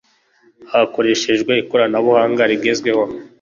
hakoreshejwe ikoranabuhanga rigezweho